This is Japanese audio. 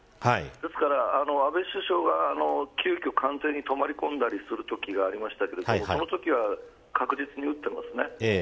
ですから、安倍首相が急きょ官邸に泊まり込んだりするときがありましたけどそのときは確実に撃ってますね。